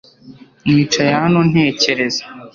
Nicaye hano ntekereza .